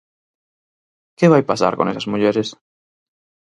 ¿Que vai pasar con esas mulleres?